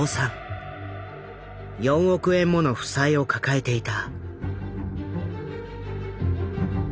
４億円もの負債を抱えていた。